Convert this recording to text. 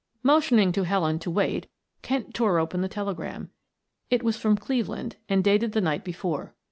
Motioning to Helen to wait, Kent tore open the telegram. It was from Cleveland and dated the night before.